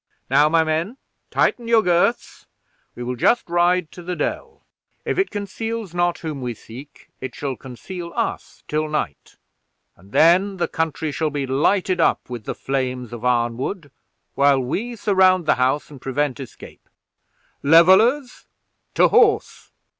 Now, my men, tighten your girths; we will just ride to the dell: if it conceals not whom we seek, it shall conceal us till night, and then the country shall be lighted up with the flames of Arnwood, while we surround the house and prevent escape. Levelers, to horse!"